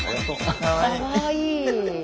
かわいい。